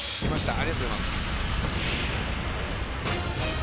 ありがとうございます。